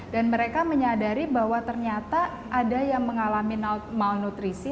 dan mereka menyadari bahwa ternyata ada yang mengalami malnutrisi